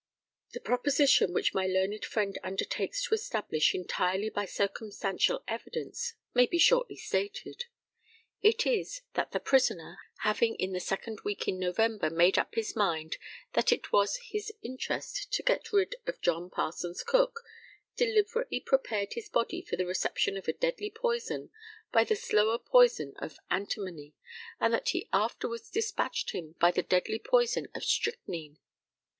The proposition which my learned friend undertakes to establish entirely by circumstantial evidence, may be shortly stated. It is, that the prisoner, having in the second week in November made up his mind that it was his interest to get rid of John Parsons Cook, deliberately prepared his body for the reception of a deadly poison by the slower poison of antimony, and that he afterwards despatched him by the deadly poison of strychnine.